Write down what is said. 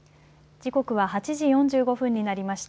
時刻は８時４５分になりました。